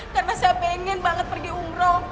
karena saya pengen banget pergi umroh